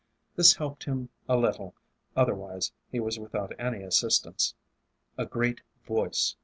This helped him a little, otherwise he was without any assistance. A great Voice.